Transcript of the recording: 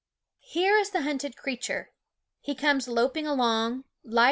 Here is the hunted creature. He comes loping along, light as ^~ r , r